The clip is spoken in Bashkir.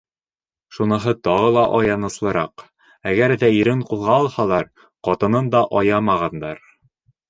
Шуныһы тағы ла аяныслыраҡ: әгәр ҙә ирен ҡулға алһалар, ҡатынын да аямағандар.